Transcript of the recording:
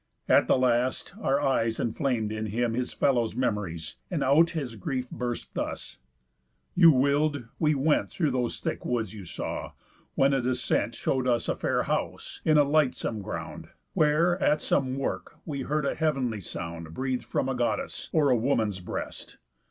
At the last, our eyes Enflam'd in him his fellows' memories, And out his grief burst thus: 'You will'd; we went Through those thick woods you saw; when a descent Show'd us a fair house, in a lightsome ground, Where, at some work, we heard a heav'nly sound Breath'd from a Goddess', or a woman's, breast.